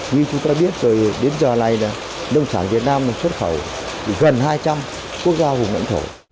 như chúng ta đã biết rồi đến giờ này là nông sản việt nam xuất khẩu gần hai trăm linh quốc gia vùng lãnh thổ